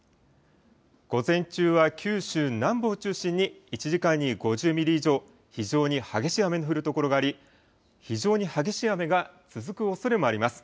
午前中は九州南部を中心に１時間に５０ミリ以上、非常に激しい雨の降る所があり、非常に激しい雨が続くおそれもあります。